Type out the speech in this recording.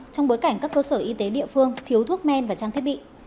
trong bối cảnh các cơ sở y tế địa phương thiếu thuốc men và trang thiết bị